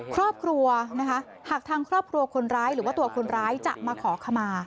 ครอบครัวนะคะหากทางครอบครัวคนร้ายหรือว่าตัวคนร้ายจะมาขอขมา